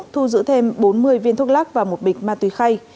thu giữ thêm bốn mươi viên thuốc lắc và một bịch ma túy khay